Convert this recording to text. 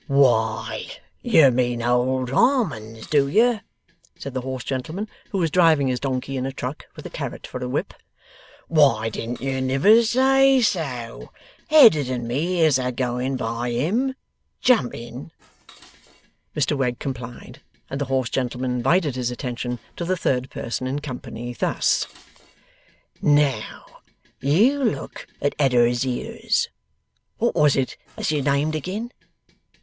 'Why, yer mean Old Harmon's, do yer?' said the hoarse gentleman, who was driving his donkey in a truck, with a carrot for a whip. 'Why didn't yer niver say so? Eddard and me is a goin' by HIM! Jump in.' Mr Wegg complied, and the hoarse gentleman invited his attention to the third person in company, thus; 'Now, you look at Eddard's ears. What was it as you named, agin?